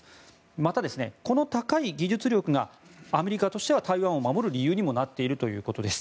また、この高い技術力がアメリカとしては台湾を守る理由にもなっているということです。